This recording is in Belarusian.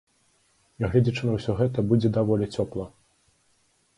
Нягледзячы на ўсё гэта, будзе даволі цёпла.